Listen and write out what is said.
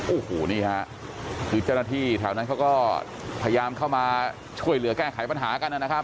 โอ้โหนี่ฮะคือเจ้าหน้าที่แถวนั้นเขาก็พยายามเข้ามาช่วยเหลือแก้ไขปัญหากันนะครับ